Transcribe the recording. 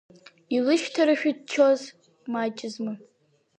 Илышьҭашәарыцоз маҷызма?